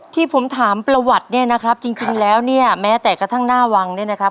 ที่ผมถามประวัติเนี่ยนะครับจริงแล้วเนี่ยแม้แต่กระทั่งหน้าวังเนี่ยนะครับ